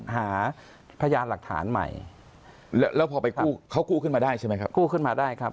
หาพยานหลักฐานใหม่แล้วพอไปกู้เขากู้ขึ้นมาได้ใช่ไหมครับ